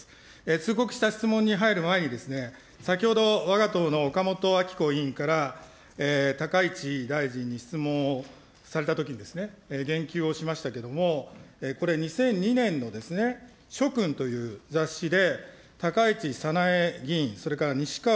通告した質問に入る前に、先ほどわが党の岡本あき子委員から高市大臣に質問をされたときにですね、言及をしましたけども、これ、２００２年のですね、しょくんという雑誌で、高市早苗議員、それからにしかわ